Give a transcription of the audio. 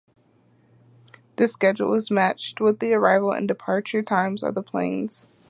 The schedule is matched with the arrival and departure times of the planes.